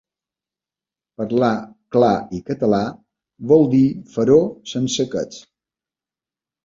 Parlar clar i català vol dir fer-ho sense aquests.